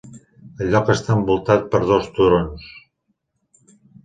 El lloc està envoltat per dos turons.